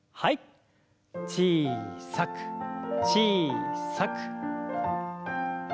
小さく小さく。